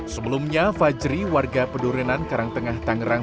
sebelumnya fajri warga pedurenan karangtengah tangerang